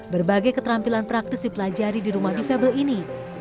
berbagai keterampilan praktis dipelajari di rumah difabel ini